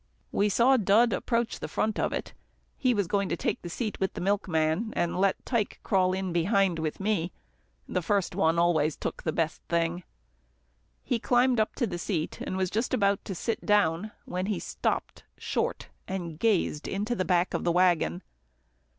We saw Dud approach the front of it. He was going to take the seat with the milkman, and let Tike crawl in behind with me. The first one always took the best thing. He climbed to the seat, was just about to sit down, when he stopped short, and gazed into the back of the waggon.